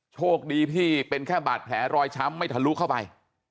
โชคดีพี่เป็นแค่บาดแผลรอยช้ำไม่ทะลุเข้าไป